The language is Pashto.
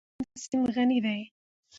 افغانستان په هلمند سیند غني دی.